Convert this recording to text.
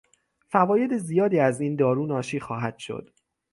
فواید زیادی از این دارو ناشی خواهد شد.